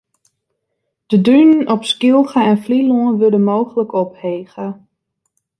De dunen op Skylge en Flylân wurde mooglik ophege.